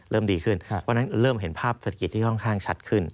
ดีขึ้นเพราะฉะนั้นเริ่มเห็นภาพเศรษฐกิจที่ค่อนข้างชัดขึ้น